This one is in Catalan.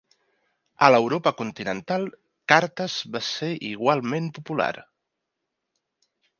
A l'Europa continental, "Cartes" va ser igualment popular.